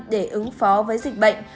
để ứng phó với dịch bệnh